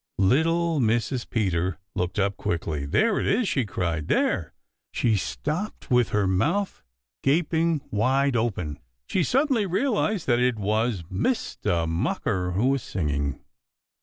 Little Mrs. Peter looked up quickly. "There it is!" she cried. "There" she stopped with her mouth gaping wide open. She suddenly realized that it was Mistah Mocker who was singing.